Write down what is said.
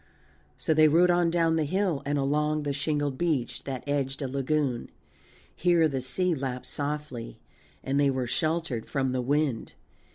So they rode on down the hill and along the shingled beach that edged a lagoon. Here the sea lapped softly and they were sheltered from the wind.